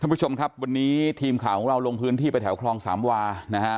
ผู้ชมครับวันนี้ทีมข่าวของเราลงพื้นที่ไปแถวคลองสามวานะฮะ